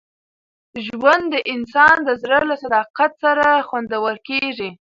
ژوند د انسان د زړه له صداقت سره خوندور کېږي.